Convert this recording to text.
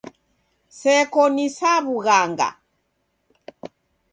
Seko ni sa w'ughanga.